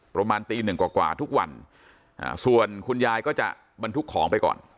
ประมาณตีหนึ่งกว่าทุกวันส่วนคุณยายก็จะบรรทุกของไปก่อน